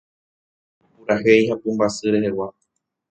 Purahéi ha pumbasy rehegua